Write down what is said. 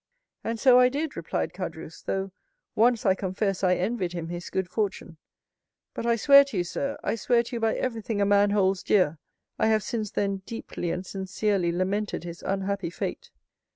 "And so I did," replied Caderousse; "though once, I confess, I envied him his good fortune. But I swear to you, sir, I swear to you, by everything a man holds dear, I have, since then, deeply and sincerely lamented his unhappy fate."